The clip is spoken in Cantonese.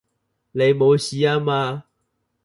你冇事吖嘛?